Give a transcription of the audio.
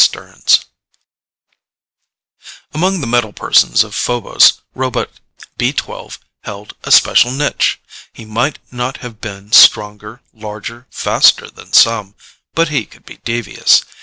STEARNS _Among the metal persons of Phobos, robot B 12 held a special niche. He might not have been stronger, larger, faster than some ... but he could be devious